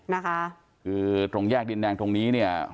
นะคะคือตรงแยกดินแดงตรงนี้เนี่ย